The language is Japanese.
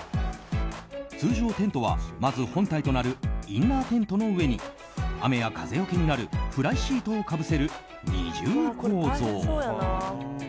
通常、テントは、まず本体となるインナーテントの上に雨や風よけになるフライシートをかぶせる２重構造。